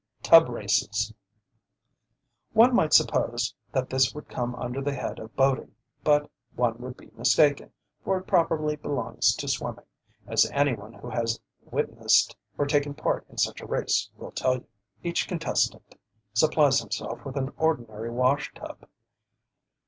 TUB RACES One might suppose that this would come under the head of boating, but one would be mistaken, for it properly belongs to swimming, as any one who has witnessed or taken part in such a race will tell you. Each contestant supplies himself with an ordinary washtub.